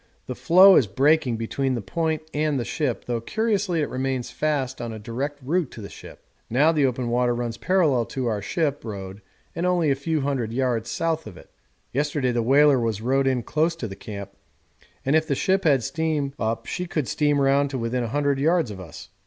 The floe is breaking between the point and the ship, though curiously it remains fast on a direct route to the ship. Now the open water runs parallel to our ship road and only a few hundred yards south of it. Yesterday the whaler was rowed in close to the camp, and if the ship had steam up she could steam round to within a few hundred yards of us.